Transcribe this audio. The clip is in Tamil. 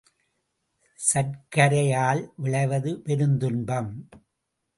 சர்க்கரையால் விளைவது பெருந்துன்பம்.